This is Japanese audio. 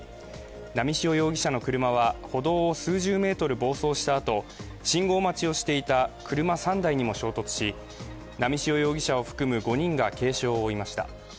波汐容疑者の車は歩道を数十メートル暴走したあと信号待ちをしていた車３台にも衝突し波汐容疑者を含む５人が軽傷を負いました。